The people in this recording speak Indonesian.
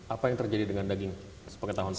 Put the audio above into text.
apa yang terjadi dengan daging sebagai tahun ke empat